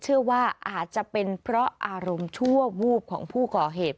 เชื่อว่าอาจจะเป็นเพราะอารมณ์ชั่ววูบของผู้ก่อเหตุ